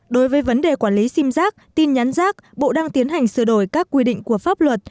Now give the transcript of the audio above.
đối với vấn đề quản lý sim giác tin nhắn rác bộ đang tiến hành sửa đổi các quy định của pháp luật